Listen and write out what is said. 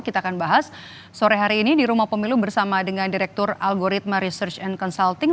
kita akan bahas sore hari ini di rumah pemilu bersama dengan direktur algoritma research and consulting